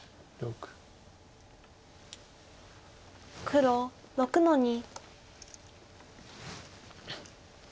黒６の二。